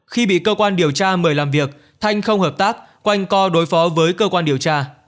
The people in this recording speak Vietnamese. khi bị cơ quan điều tra mời làm việc thanh không hợp tác quanh co đối phó với cơ quan điều tra